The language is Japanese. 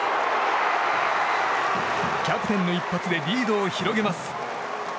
キャプテンの一発でリードを広げます。